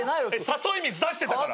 誘い水出してたから！